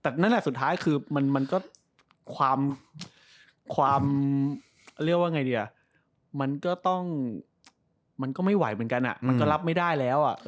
แต่นั่นแหละสุดท้ายคือมันก็ความเรียกว่าไงดีอ่ะมันก็ต้องมันก็ไม่ไหวเหมือนกันมันก็รับไม่ได้แล้ว